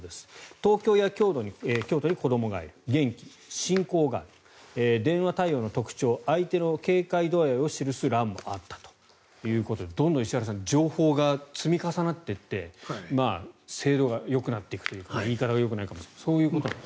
東京や京都に子どもがいる元気、信仰あり電話対応の特徴相手の警戒度合いを記す欄もあったということでどんどん石原さん情報が積み重なっていって精度がよくなっていくというか言い方はよくないかもしれませんがそういうことなんですね。